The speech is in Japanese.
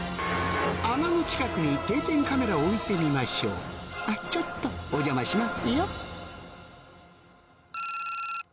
穴の近くに定点カメラを置いてみましょうあっちょっとお邪魔しますよ